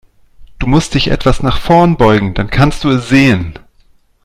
Du musst dich etwas nach vorn beugen, dann kannst du es sehen.